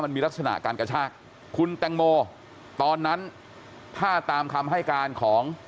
มันมีลักษณะการกระชากคุณแตงโมตอนนั้นถ้าตามคำให้การของ